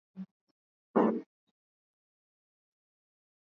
Wanajeshi tisa walioshtakiwa ni pamoja na luteni kanali na mameja watatu